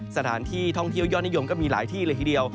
สถานที่ท่องเที่ยวยอดนิยมก็มีหลายที่เลยทีเดียว